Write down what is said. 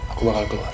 aku bakal keluar